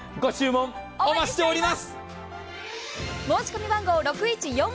お待ちしております。